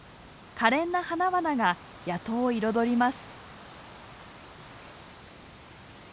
かれんな花々が谷戸を彩ります。